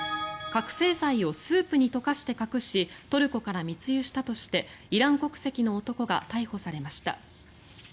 覚醒剤をスープに溶かして隠しトルコから密輸したとしてイラン国籍の男が逮捕されました。